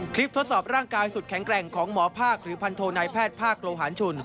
ทดสอบร่างกายสุดแข็งแกร่งของหมอภาคหรือพันโทนายแพทย์ภาคโลหารชุน